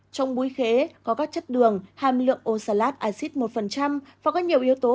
trong búi khế có các chất đường hàm lượng oxalate acid một và có nhiều yếu tố